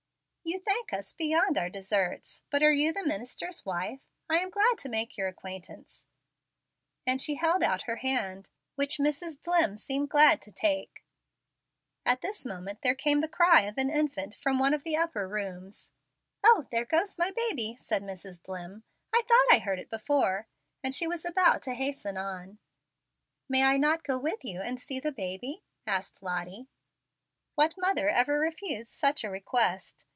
"You thank us beyond our deserts. But are you the minister's wife? I am glad to make your acquaintance"; and she held out her hand, which Mrs. Dlimm seemed glad to take. At this moment there came the cry of an infant from one of the upper rooms. "O, there goes my baby," said Mrs. Dlimm; "I thought I heard it before"; and she was about to hasten on. "May I not go with you and see the baby?" asked Lottie. What mother ever refused such a request?